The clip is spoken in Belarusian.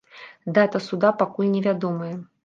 Дата суда пакуль невядомая.